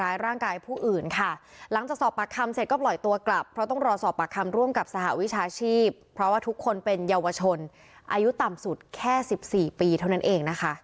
บรมการคำเสร็จก็บร่อยตัวกลับเพราะต้องรอสอบปากคำร่วมกับสหวัชชาชีพเพราะว่าทุกคนเป็นเยาวชนอายุต่ำสุดแค่สิบสี่ปีเท่านั้นเอง